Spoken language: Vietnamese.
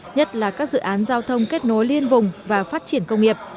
nhất là các dự án giao thông kết nối liên vùng và phát triển công nghiệp